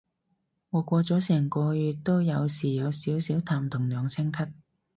我過咗成個月都有時有少少痰同兩聲咳